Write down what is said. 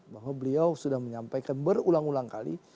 bahwa beliau sudah menyampaikan berulang ulang kali